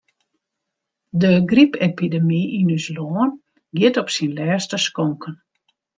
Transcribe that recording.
De grypepidemy yn ús lân giet op syn lêste skonken.